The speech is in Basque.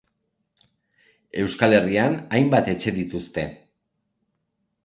Euskal Herrian hainbat etxe dituzte.